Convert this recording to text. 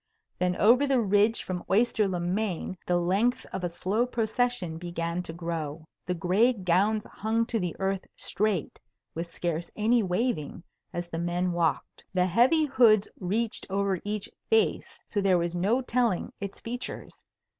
Then over the ridge from Oyster le Main the length of a slow procession began to grow. The gray gowns hung to the earth straight with scarce any waving as the men walked. The heavy hoods reached over each face so there was no telling its features.